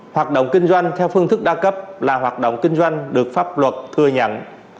hoạt động kinh doanh theo phương thức đa cấp là hoạt động kinh doanh được pháp luật thừa nhận